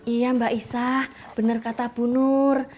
iya mbak isah benar kata bu nur